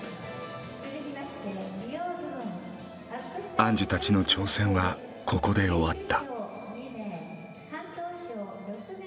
アンジュたちの挑戦はここで終わった。